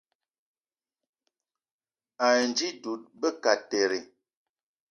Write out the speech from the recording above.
Anji dud be kateré